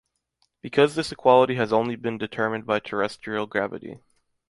Because this equality has only been determined by terrestrial gravity.